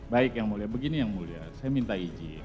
baik yang mulia begini yang mulia saya minta izin